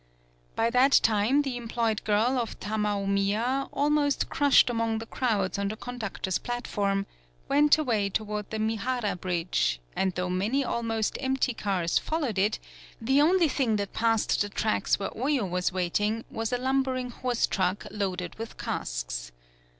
By that time the employed girl of Tama omiya, almost crushed among the crowds on the con ductor's platform, went away toward the Mihara bridge, and though many al most empty cars followed it, the only 77 PAULOWNIA thing that passed the tracks where Oyo was waiting was a lumbering horse truck loaded with casks.